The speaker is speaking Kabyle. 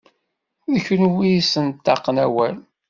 D kunwi i yessenṭaqen awal.